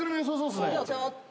ちょっと。